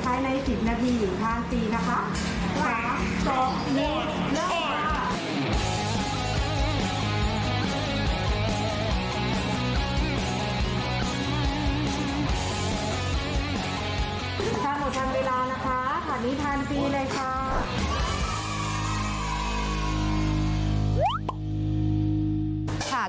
ทานหมดทางเวลานะคะอันนี้ทานจีนเลยค่ะ